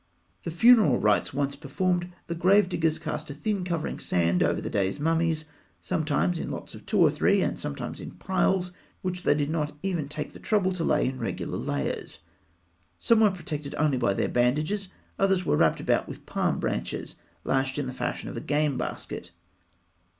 The funeral rites once performed, the grave diggers cast a thin covering of sand over the day's mummies, sometimes in lots of two or three, and sometimes in piles which they did not even take the trouble to lay in regular layers. Some were protected only by their bandages; others were wrapped about with palm branches, lashed in the fashion of a game basket.